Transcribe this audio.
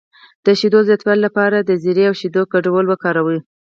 د شیدو زیاتولو لپاره د زیرې او شیدو ګډول وکاروئ